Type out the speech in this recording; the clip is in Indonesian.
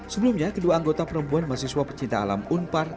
sebelumnya kedua anggota perempuan mahasiswa pecinta alam unpar